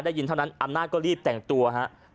ได้ยินเท่านั้นอำนาจก็รีบแต่งตัวครับ